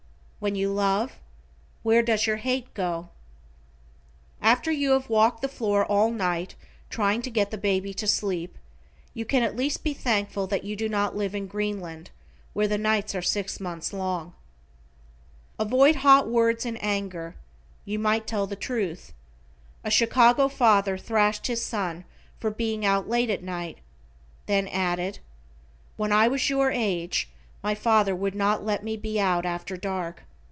When you love, where does your hate go? After you have walked the floor all night trying to get the baby to sleep, you can at least be thankful that you do not live in Greenland where the nights are six months long. Avoid hot words in anger, you might tell the truth. A Chicago father thrashed his son for being out late at night. Then added: "When I was your age my father would not let me be out after dark."